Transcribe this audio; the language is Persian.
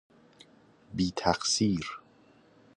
بی تقصیر